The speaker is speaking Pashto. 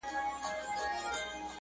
o له پردي جنګه یې ساته زما د خاوري ,